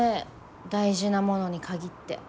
大事なものに限って。